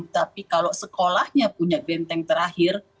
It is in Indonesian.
tapi kalau sekolahnya punya benteng terakhir